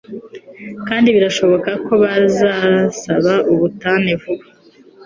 kandi birashoboka ko bazasaba ubutane vuba